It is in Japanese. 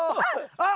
あっ！